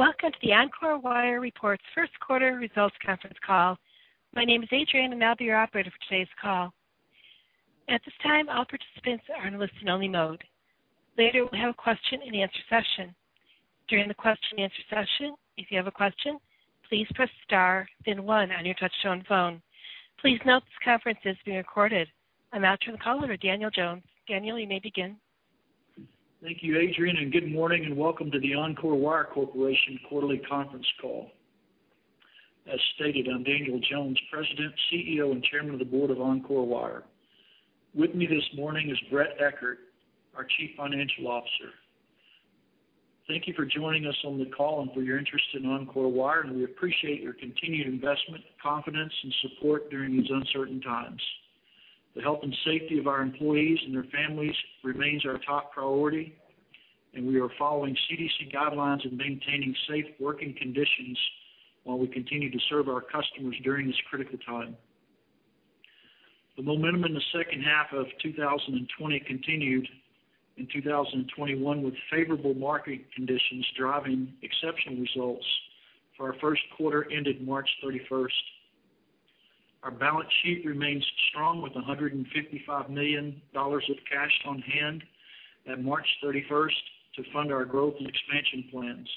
Welcome to the Encore Wire reports first quarter results conference call. My name is Adrienne, and I'll be your operator for today's call. At this time, all participants are in listen-only mode. There will be a question and answer session. During the question and answer session, if you have a question, please press star then one on your touchtone phone. Please note this conference is being recorded. I now turn the call over to Daniel Jones. Daniel, you may begin. Thank you, Adrienne, and good morning, and welcome to the Encore Wire Corporation quarterly conference call. As stated, I'm Daniel Jones, President, CEO, and Chairman of the Board of Encore Wire. With me this morning is Bret Eckert, our Chief Financial Officer. Thank you for joining us on the call and for your interest in Encore Wire, and we appreciate your continued investment, confidence, and support during these uncertain times. The health and safety of our employees and their families remains our top priority, and we are following CDC guidelines in maintaining safe working conditions while we continue to serve our customers during this critical time. The momentum in the second half of 2020 continued in 2021 with favorable market conditions driving exceptional results for our first quarter ended March 31st. Our balance sheet remains strong with $155 million of cash on hand at March 31st to fund our growth and expansion plans.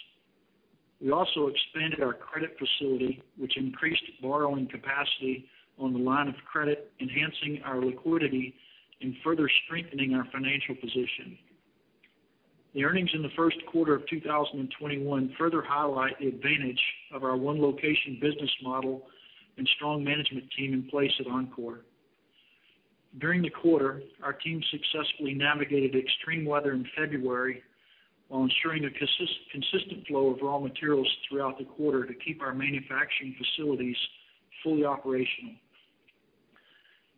We also expanded our credit facility, which increased borrowing capacity on the line of credit, enhancing our liquidity and further strengthening our financial position. The earnings in the first quarter of 2021 further highlight the advantage of our one location business model and strong management team in place at Encore. During the quarter, our team successfully navigated extreme weather in February while ensuring a consistent flow of raw materials throughout the quarter to keep our manufacturing facilities fully operational.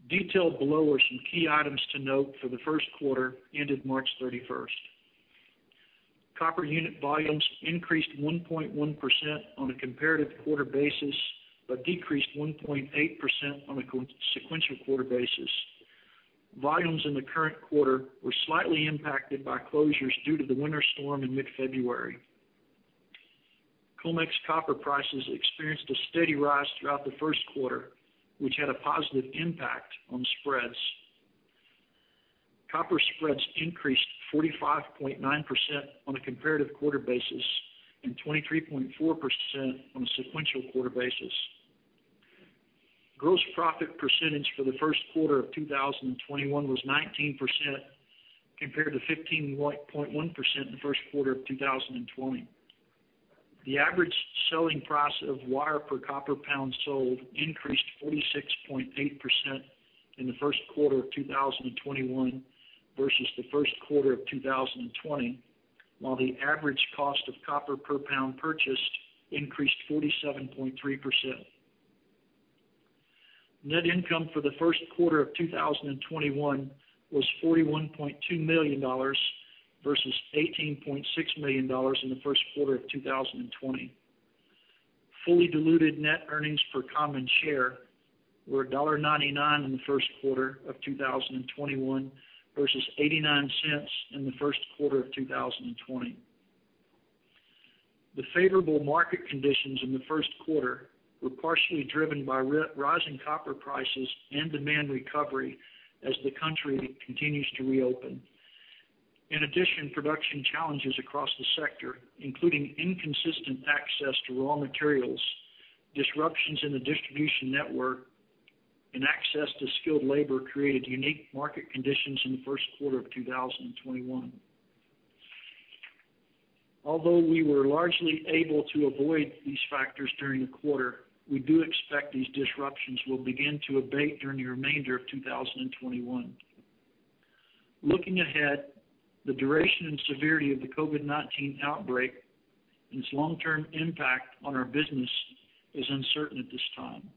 Detailed below are some key items to note for the first quarter ended March 31st. Copper unit volumes increased 1.1% on a comparative quarter basis but decreased 1.8% on a sequential quarter basis. Volumes in the current quarter were slightly impacted by closures due to the winter storm in mid-February. COMEX copper prices experienced a steady rise throughout the first quarter, which had a positive impact on spreads. Copper spreads increased 45.9% on a comparative quarter basis and 23.4% on a sequential quarter basis. Gross profit percentage for the first quarter of 2021 was 19%, compared to 15.1% in the first quarter of 2020. The average selling price of wire per copper pound sold increased 46.8% in the first quarter of 2021 versus the first quarter of 2020, while the average cost of copper per pound purchased increased 47.3%. Net income for the first quarter of 2021 was $41.2 million versus $18.6 million in the first quarter of 2020. Fully diluted net earnings per common share were $1.99 in the first quarter of 2021 versus $0.89 in the first quarter of 2020. The favorable market conditions in the first quarter were partially driven by rising copper prices and demand recovery as the country continues to reopen. In addition, production challenges across the sector, including inconsistent access to raw materials, disruptions in the distribution network, and access to skilled labor, created unique market conditions in the first quarter of 2021. Although we were largely able to avoid these factors during the quarter, we do expect these disruptions will begin to abate during the remainder of 2021. Looking ahead, the duration and severity of the COVID-19 outbreak and its long-term impact on our business is uncertain at this time.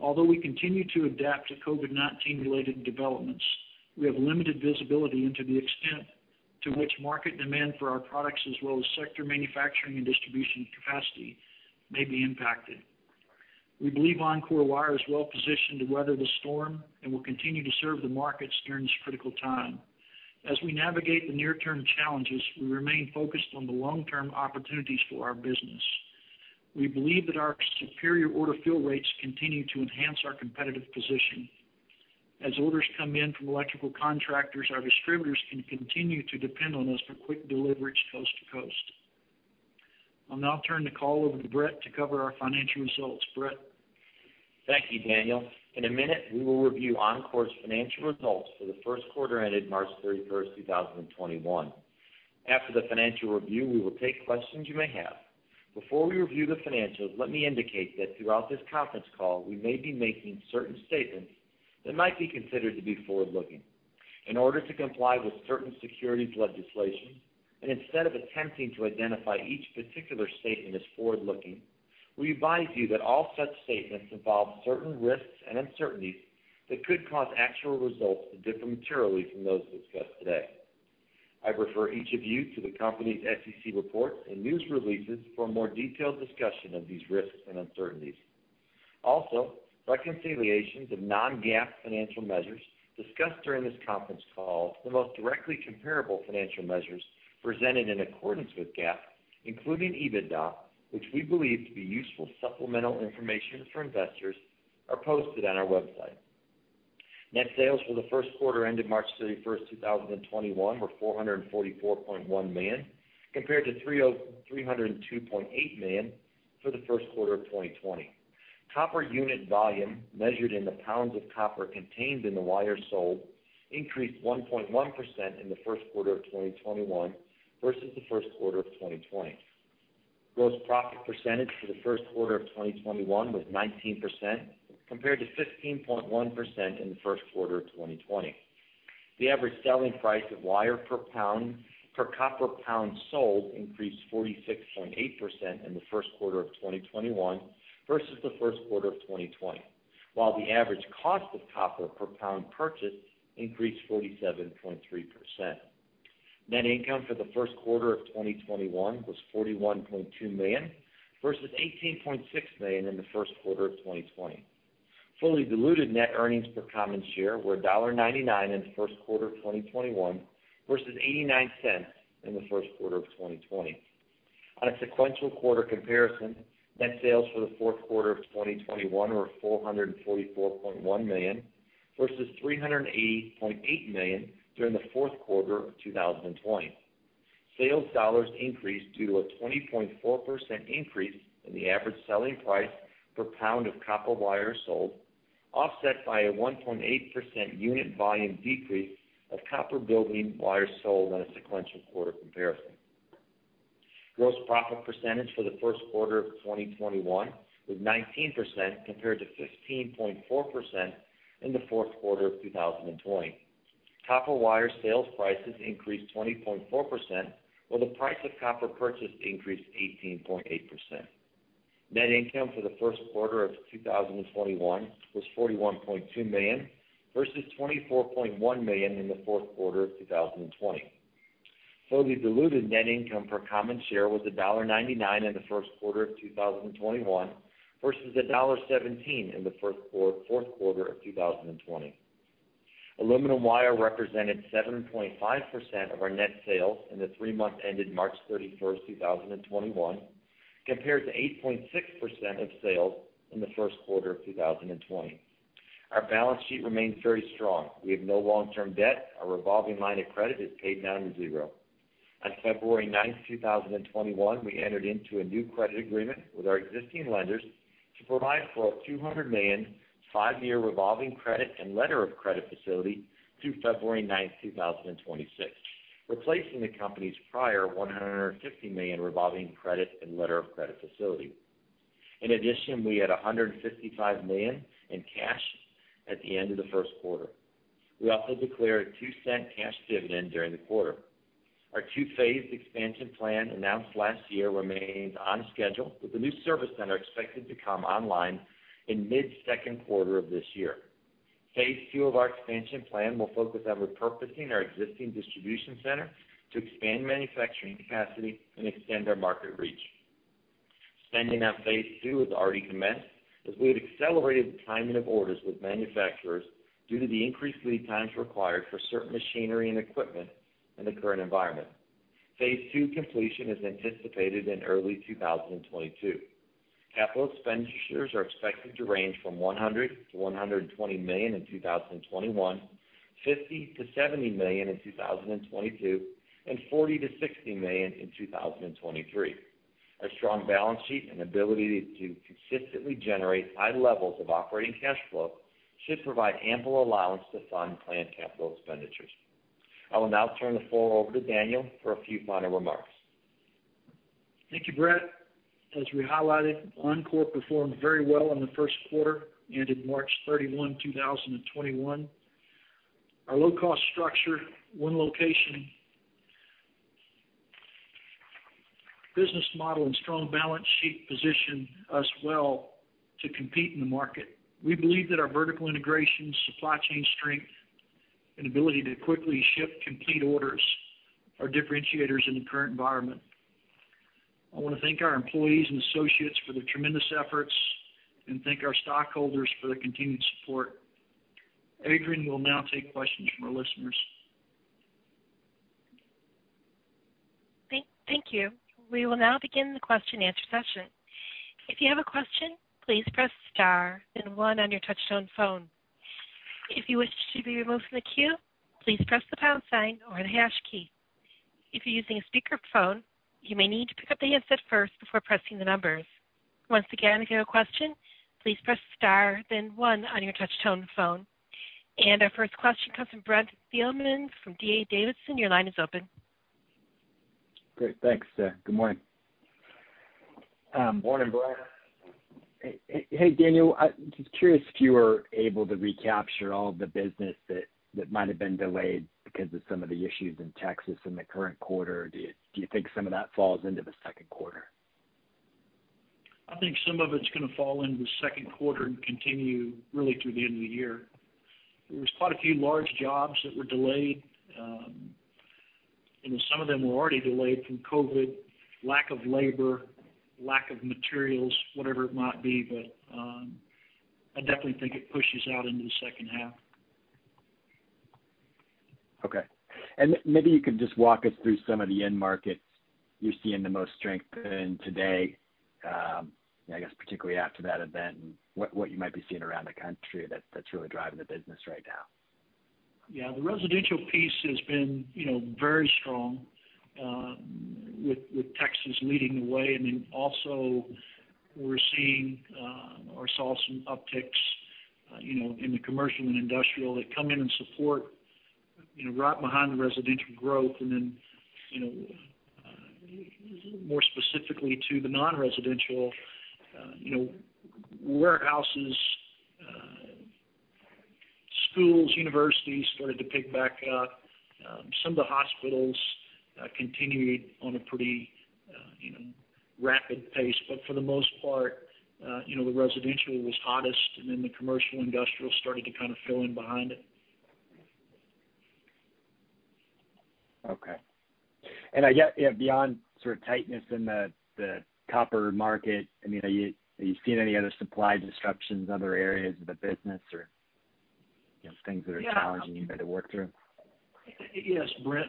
Although we continue to adapt to COVID-19 related developments, we have limited visibility into the extent to which market demand for our products, as well as sector manufacturing and distribution capacity, may be impacted. We believe Encore Wire is well positioned to weather the storm and will continue to serve the markets during this critical time. As we navigate the near-term challenges, we remain focused on the long-term opportunities for our business. We believe that our superior order fill rates continue to enhance our competitive position. As orders come in from electrical contractors, our distributors can continue to depend on us for quick deliveries coast to coast. I'll now turn the call over to Bret to cover our financial results. Bret? Thank you, Daniel. In a minute, we will review Encore's financial results for the first quarter ended March 31st, 2021. After the financial review, we will take questions you may have. Before we review the financials, let me indicate that throughout this conference call, we may be making certain statements that might be considered to be forward-looking. In order to comply with certain securities legislation, and instead of attempting to identify each particular statement as forward-looking, we advise you that all such statements involve certain risks and uncertainties that could cause actual results to differ materially from those discussed today. I refer each of you to the company's SEC report and news releases for a more detailed discussion of these risks and uncertainties. Also, reconciliations of non-GAAP financial measures discussed during this conference call, the most directly comparable financial measures presented in accordance with GAAP, including EBITDA, which we believe to be useful supplemental information for investors, are posted on our website. Net sales for the first quarter ended March 31st, 2021, were $444.1 million, compared to $302.8 million for the first quarter of 2020. Copper unit volume, measured in the pounds of copper contained in the wire sold, increased 1.1% in the first quarter of 2021 versus the first quarter of 2020. Gross profit percentage for the first quarter of 2021 was 19%, compared to 15.1% in the first quarter of 2020. The average selling price of wire per copper pound sold increased 46.8% in the first quarter of 2021 versus the first quarter of 2020, while the average cost of copper per pound purchased increased 47.3%. Net income for the first quarter of 2021 was $41.2 million, versus $18.6 million in the first quarter of 2020. Fully diluted net earnings per common share were $1.99 in the first quarter of 2021 versus $0.89 in the first quarter of 2020. On a sequential quarter comparison, net sales for the first quarter of 2021 were $444.1 million versus $380.8 million during the fourth quarter of 2020. Sales dollars increased due to a 20.4% increase in the average selling price per pound of copper wire sold, offset by a 1.8% unit volume decrease of copper building wire sold on a sequential quarter comparison. Gross profit percentage for the first quarter of 2021 was 19%, compared to 15.4% in the fourth quarter of 2020. Copper wire sales prices increased 20.4%, while the price of copper purchased increased 18.8%. Net income for the first quarter of 2021 was $41.2 million, versus $24.1 million in the fourth quarter of 2020. Fully diluted net income per common share was $1.99 in the first quarter of 2021, versus $1.17 in the fourth quarter of 2020. Aluminum wire represented 7.5% of our net sales in the three months ended March 31st, 2021, compared to 8.6% of sales in the first quarter of 2020. Our balance sheet remains very strong. We have no long-term debt. Our revolving line of credit is paid down to zero. On February 9th, 2021, we entered into a new credit agreement with our existing lenders to provide for a $200 million, five-year revolving credit and letter of credit facility through February 9th, 2026, replacing the company's prior $150 million revolving credit and letter of credit facility. In addition, we had $155 million in cash at the end of the first quarter. We also declared a $0.02 cash dividend during the quarter. Our two-phase expansion plan announced last year remains on schedule with the new service center expected to come online in mid-second quarter of this year. Phase II of our expansion plan will focus on repurposing our existing distribution center to expand manufacturing capacity and extend our market reach. Spending on phase II has already commenced as we have accelerated the timing of orders with manufacturers due to the increased lead times required for certain machinery and equipment in the current environment. Phase II completion is anticipated in early 2022. Capital expenditures are expected to range from $100 million-$120 million in 2021, $50 million-$70 million in 2022, and $40 million-$60 million in 2023. Our strong balance sheet and ability to consistently generate high levels of operating cash flow should provide ample allowance to fund planned capital expenditures. I will now turn the floor over to Daniel for a few final remarks. Thank you, Bret. As we highlighted, Encore performed very well in the first quarter ended March 31, 2021. Our low-cost structure, one location business model, and strong balance sheet position us well to compete in the market. We believe that our vertical integration, supply chain strength, and ability to quickly ship complete orders are differentiators in the current environment. I want to thank our employees and associates for their tremendous efforts and thank our stockholders for their continued support. Adrienne will now take questions from our listeners. Thank you. We will now begin the question and answer session. If you have a question, please press star then one on your touchtone phone. If you wish to be removed from the queue, please press the pound sign or the hash key. If you're using a speakerphone, you may need to pick up the handset first before pressing the numbers. Once again, if you have a question, please press star then one on your touchtone phone. Our first question comes from Brent Thielman from D.A. Davidson. Your line is open. Great. Thanks. Good morning. Morning, Brent. Hey, Daniel. Just curious if you were able to recapture all the business that might have been delayed because of some of the issues in Texas in the current quarter. Do you think some of that falls into the second quarter? I think some of it's going to fall into the second quarter and continue really through the end of the year. There was quite a few large jobs that were delayed. Some of them were already delayed from COVID, lack of labor, lack of materials, whatever it might be. I definitely think it pushes out into the second half. Okay. Maybe you could just walk us through some of the end markets you're seeing the most strength in today, I guess particularly after that event, and what you might be seeing around the country that's really driving the business right now. Yeah. The residential piece has been very strong, with Texas leading the way. Also we're seeing or saw some upticks in the commercial and industrial that come in and support right behind the residential growth. More specifically to the non-residential, warehouses, schools, universities started to pick back up. Some of the hospitals continued on a pretty rapid pace. For the most part, the residential was hottest, and then the commercial industrial started to kind of fill in behind it. Okay. Beyond sort of tightness in the copper market, are you seeing any other supply disruptions in other areas of the business or just things that are challenging you had to work through? Yes, Brent.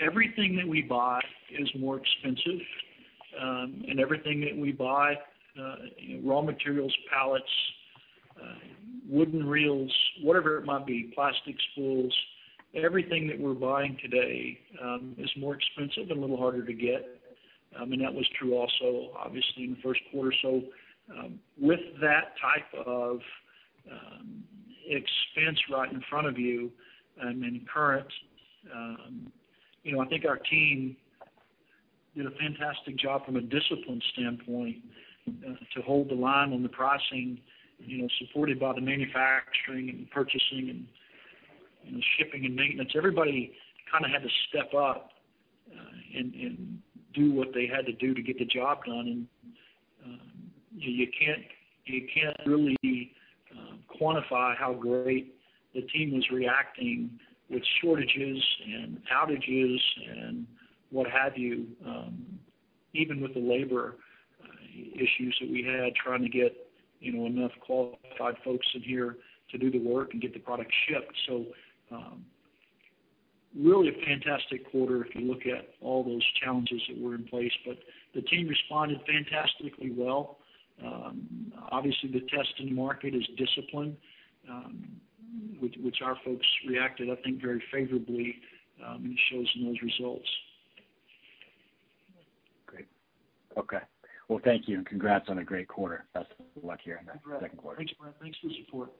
Everything that we buy is more expensive, everything that we buy, raw materials, pallets, wooden reels, whatever it might be, plastics spools, everything that we're buying today is more expensive and a little harder to get. That was true also, obviously, in the first quarter. With that type of expense right in front of you and in current, I think our team did a fantastic job from a discipline standpoint to hold the line on the pricing, supported by the manufacturing and purchasing and shipping and maintenance. Everybody kind of had to step up and do what they had to do to get the job done. You can't really quantify how great the team was reacting with shortages and outages and what have you, even with the labor issues that we had, trying to get enough qualified folks in here to do the work and get the product shipped. Really a fantastic quarter if you look at all those challenges that were in place. The team responded fantastically well. Obviously, the test in the market is discipline, which our folks reacted, I think, very favorably, and it shows in those results. Great. Okay. Well, thank you, and congrats on a great quarter. Best of luck here in the second quarter. Thank you, Brent. Thanks for the support.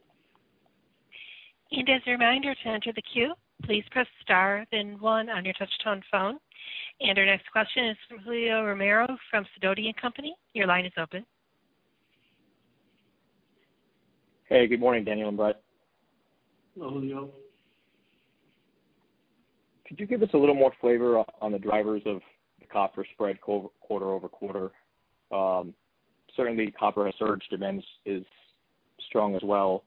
As a reminder to enter the queue, please press star then one on your touch-tone phone. Our next question is from Julio Romero from Sidoti & Company. Your line is open. Hey, good morning, Daniel and Bret. Hello, Julio. Could you give us a little more flavor on the drivers of the copper spread quarter-over-quarter? Certainly, copper has surged, demand is strong as well.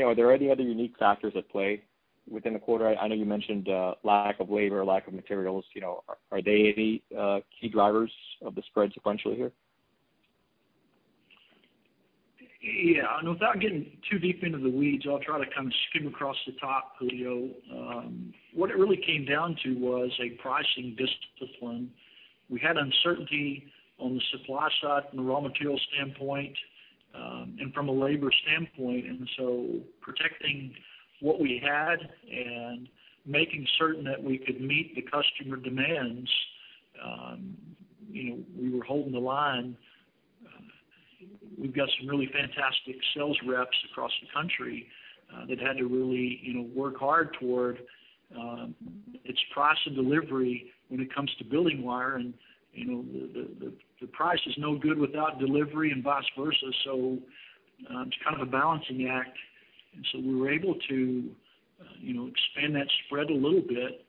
Are there any other unique factors at play within the quarter? I know you mentioned lack of labor, lack of materials. Are they any key drivers of the spread sequentially here? Yeah. Without getting too deep into the weeds, I'll try to kind of skim across the top, Julio. What it really came down to was a pricing discipline. We had uncertainty on the supply side from a raw material standpoint, and from a labor standpoint. Protecting what we had and making certain that we could meet the customer demands, we were holding the line. We've got some really fantastic sales reps across the country that had to really work hard toward its price and delivery when it comes to building wire, and the price is no good without delivery and vice versa. It's kind of a balancing act. We were able to expand that spread a little bit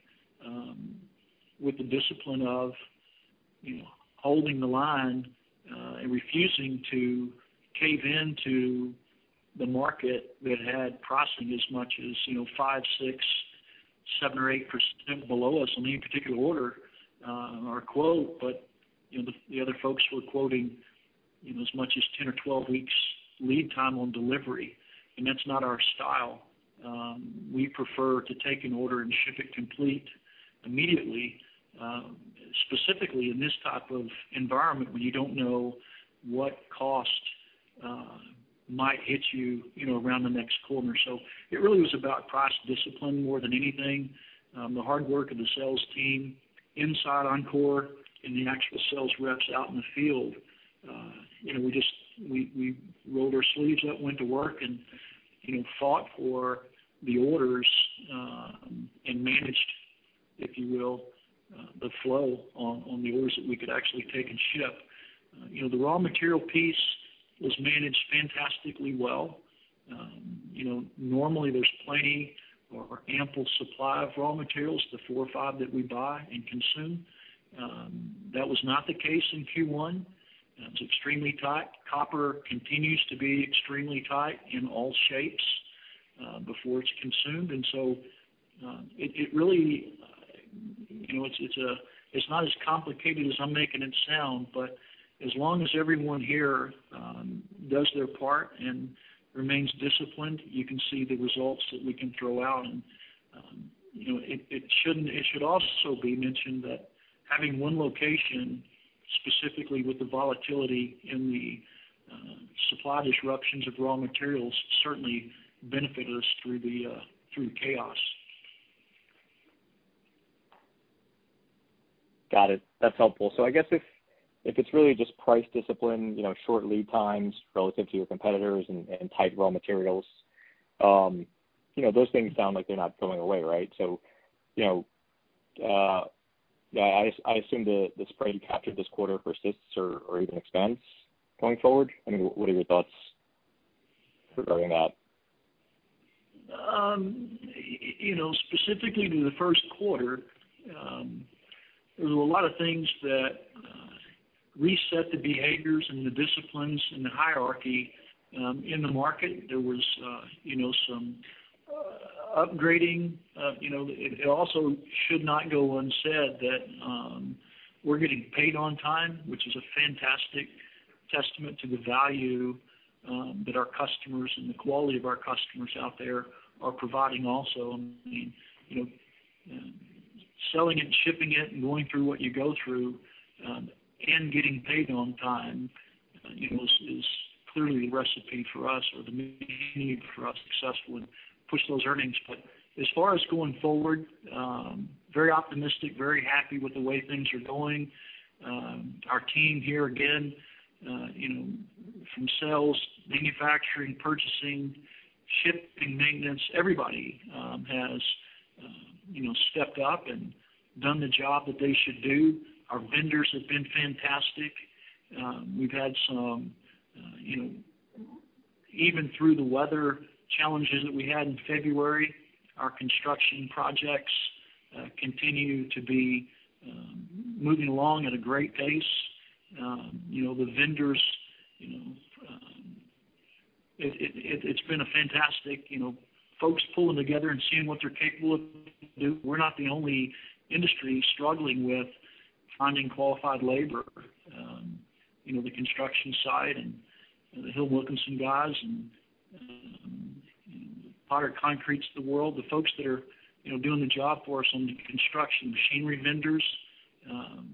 with the discipline of holding the line and refusing to cave into the market that had pricing as much as 5%, 6%, 7% or 8% below us on any particular order on our quote. The other folks were quoting as much as 10 or 12 weeks lead time on delivery. That's not our style. We prefer to take an order and ship it complete immediately, specifically in this type of environment where you don't know what cost might hit you around the next corner. It really was about price discipline more than anything. The hard work of the sales team inside Encore, and the actual sales reps out in the field. We rolled our sleeves up, went to work, and fought for the orders, and managed, if you will, the flow on the orders that we could actually take and ship. The raw material piece was managed fantastically well. Normally, there's plenty or ample supply of raw materials, the four or five that we buy and consume. That was not the case in Q1. It's extremely tight. copper continues to be extremely tight in all shapes before it's consumed. It's not as complicated as I'm making it sound, but as long as everyone here does their part and remains disciplined, you can see the results that we can throw out. It should also be mentioned that having one location, specifically with the volatility in the supply disruptions of raw materials, certainly benefited us through chaos. Got it. That's helpful. I guess if it's really just price discipline, short lead times relative to your competitors, and tight raw materials, those things sound like they're not going away, right? I assume the spread you captured this quarter persists or even expands going forward. What are your thoughts regarding that? Specifically to the first quarter, there were a lot of things that reset the behaviors and the disciplines and the hierarchy in the market. There was some upgrading. It also should not go unsaid that we're getting paid on time, which is a fantastic testament to the value that our customers and the quality of our customers out there are providing also. Selling and shipping it and going through what you go through, and getting paid on time, is clearly the recipe for us or the main need for us successfully to push those earnings. As far as going forward, very optimistic, very happy with the way things are going. Our team here, again, from sales, manufacturing, purchasing, shipping, maintenance, everybody has stepped up and done the job that they should do. Our vendors have been fantastic. Even through the weather challenges that we had in February, our construction projects continue to be moving along at a great pace. The vendors, it's been fantastic, folks pulling together and seeing what they're capable of doing. We're not the only industry struggling with finding qualified labor. The construction side and the Hill & Wilkinson guys and the Potter Concretes of the world, the folks that are doing the job for us on the construction, machinery vendors.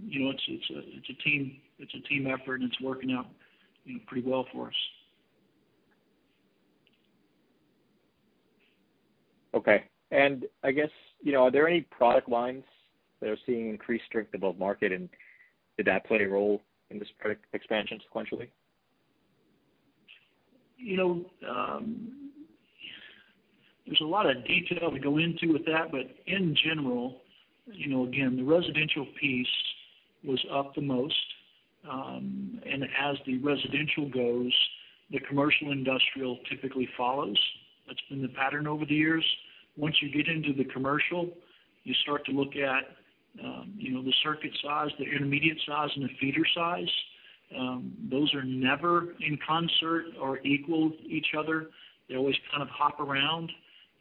It's a team effort, and it's working out pretty well for us. Okay. I guess, are there any product lines that are seeing increased strength above market, and did that play a role in this expansion sequentially? There's a lot of detail to go into with that, but in general, again, the residential piece was up the most. As the residential goes, the commercial industrial typically follows. That's been the pattern over the years. Once you get into the commercial, you start to look at the circuit size, the intermediate size, and the feeder size. Those are never in concert or equal to each other. They always kind of hop around.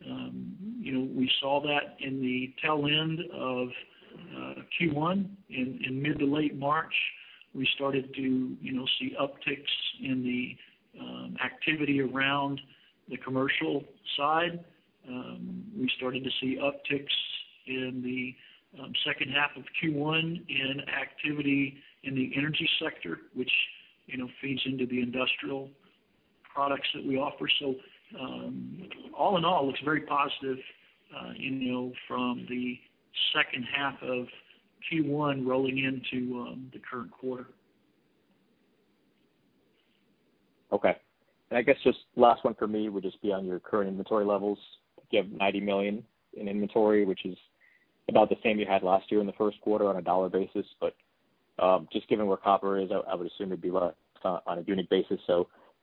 We saw that in the tail end of Q1. In mid to late March, we started to see upticks in the activity around the commercial side. We started to see upticks in the second half of Q1 in activity in the energy sector, which feeds into the industrial products that we offer. All in all, it looks very positive from the second half of Q1 rolling into the current quarter. Okay. I guess just last one for me would just be on your current inventory levels. You have $90 million in inventory, which is about the same you had last year in the first quarter on a dollar basis. Just given where copper is, I would assume it'd be less on a unit basis.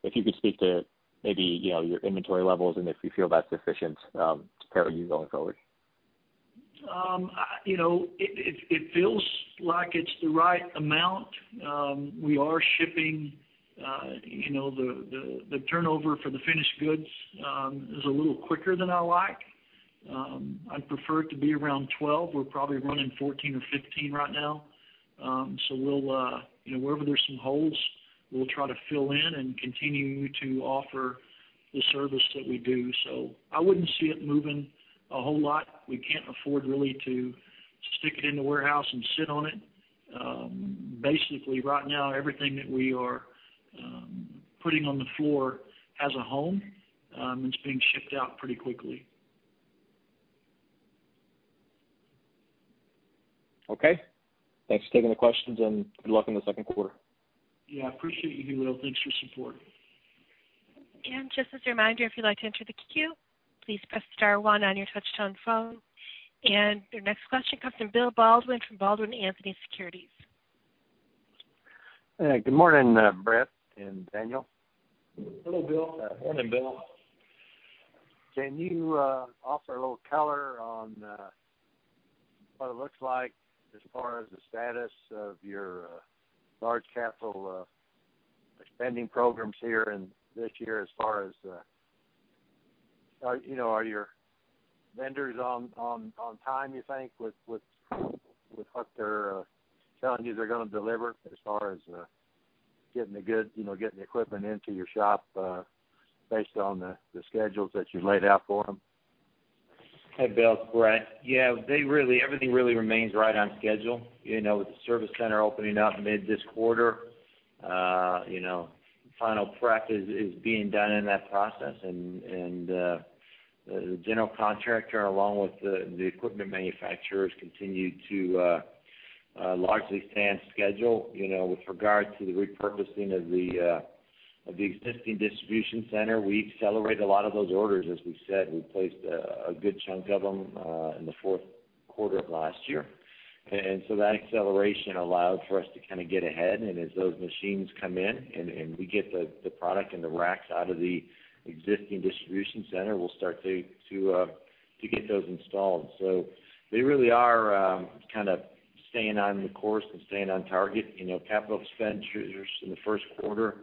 If you could speak to maybe your inventory levels and if you feel that's sufficient to carry you going forward. It feels like it's the right amount. We are shipping. The turnover for the finished goods is a little quicker than I like. I'd prefer it to be around 12. We're probably running 14 or 15 right now. Wherever there's some holes, we'll try to fill in and continue to offer the service that we do. I wouldn't see it moving a whole lot. We can't afford really to stick it in the warehouse and sit on it. Basically right now, everything that we are putting on the floor has a home, and it's being shipped out pretty quickly. Okay. Thanks for taking the questions. Good luck in the second quarter. Yeah, appreciate you, Julio. Thanks for the support. Just as a reminder, if you'd like to enter the queue, please press star one on your touch-tone phone. Your next question comes from Bill Baldwin from Baldwin Anthony Securities. Good morning, Bret and Daniel. Hello, Bill. Morning, Bill. Can you offer a little color on what it looks like as far as the status of your large capital spending programs here and this year, as far as are your vendors on time, you think, with what they're telling you they're going to deliver as far as getting the equipment into your shop based on the schedules that you've laid out for them? Hey, Bill. It's Bret. Yeah. Everything really remains right on schedule. With the service center opening up mid this quarter, final prep is being done in that process. The general contractor along with the equipment manufacturers continue to largely stay on schedule. With regard to the repurposing of the existing distribution center, we accelerated a lot of those orders, as we said. We placed a good chunk of them in the fourth quarter of last year. That acceleration allowed for us to kind of get ahead. As those machines come in and we get the product and the racks out of the existing distribution center, we'll start to get those installed. They really are kind of staying on the course and staying on target. Capital spend in the first quarter,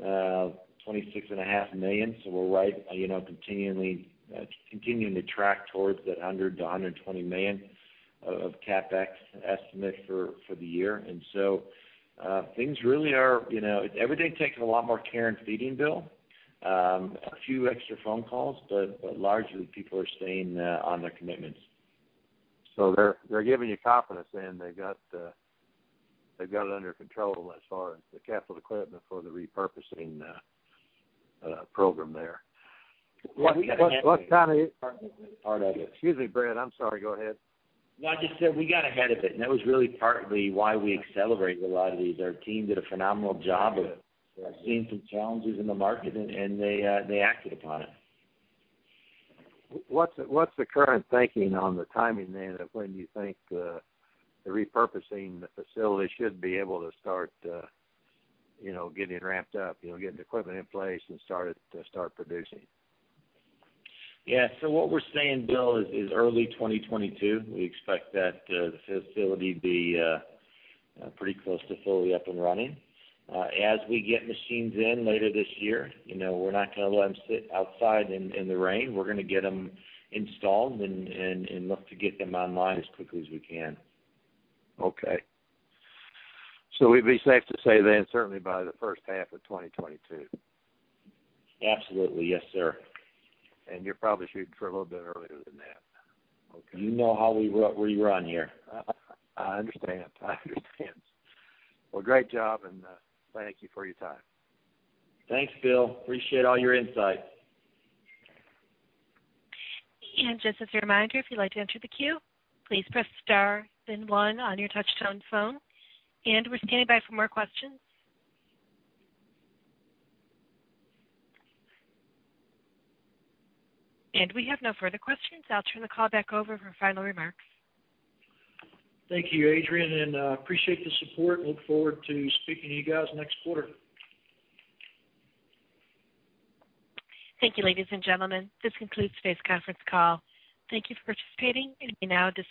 $26.5 million. We're right, continuing to track towards that $100 million-$120 million of CapEx estimate for the year. Everything's taking a lot more care and feeding, Bill. A few extra phone calls, but largely, people are staying on their commitments. They're giving you confidence then. They've got it under control as far as the capital equipment for the repurposing program there. We got ahead of it partly. What kind of Excuse me, Bret, I'm sorry. Go ahead. No, I just said we got ahead of it, and that was really partly why we accelerated a lot of these. Our team did a phenomenal job of seeing some challenges in the market, and they acted upon it. What's the current thinking on the timing then, of when you think the repurposing the facility should be able to start getting ramped up, getting the equipment in place, and start producing? What we're saying, Bill, is early 2022, we expect that the facility be pretty close to fully up and running. As we get machines in later this year, we're not going to let them sit outside in the rain. We're going to get them installed and look to get them online as quickly as we can. Okay. It'd be safe to say then, certainly by the first half of 2022. Absolutely. Yes, sir. You're probably shooting for a little bit earlier than that. Okay. You know how we run here. I understand. Great job, and thank you for your time. Thanks, Bill. Appreciate all your insight. Just as a reminder, if you'd like to enter the queue, please press star then one on your touch-tone phone. We're standing by for more questions. We have no further questions. I'll turn the call back over for final remarks. Thank you, Adrienne, and appreciate the support. Look forward to speaking to you guys next quarter. Thank you, ladies and gentlemen. This concludes today's conference call. Thank you for participating. You may now disconnect.